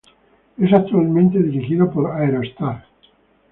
Es actualmente dirigido por Aero Star.